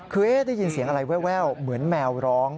คือได้ยินเสียงอะไรแววเหมือนแมวร้อง